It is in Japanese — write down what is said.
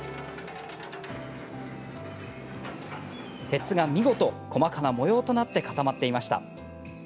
鉄が見事、細かな模様となって固まっていました。